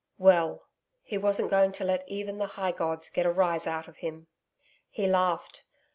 Well he wasn't going to let even the high gods get a rise out of him. He laughed.